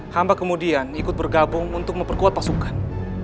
hamba kemudian ikut bergabung untuk memperkuat pasukan